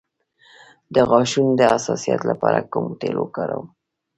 د غاښونو د حساسیت لپاره کوم تېل وکاروم؟